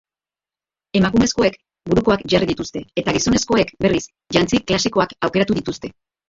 Emakumezkoek burukoak jarri dituzte eta gizonezkoek, berriz, jantzi klasikoak aukeratu dituzte.